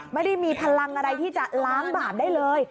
ไม่ได้มีพลังอะไรที่จะล้างบาปได้เลย